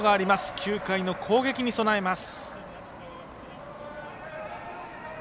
９回の攻撃に備えます。